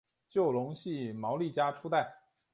就隆系毛利家初代。